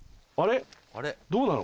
どうなの？